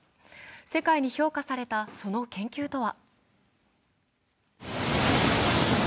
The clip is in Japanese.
世界に評価されたその研究とは。